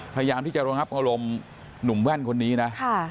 พยายามที่จะระงับอารมณ์หนุ่มแว่นคนนี้นะ